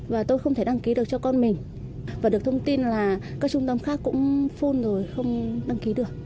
và tôi không thể đăng ký được cho con mình và được thông tin là các trung tâm khác cũng phun rồi không đăng ký được